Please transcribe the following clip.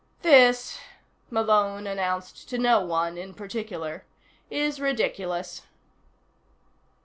"This," Malone announced to no one in particular, "is ridiculous."